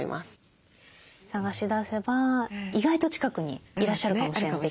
探し出せば意外と近くにいらっしゃるかもしれない。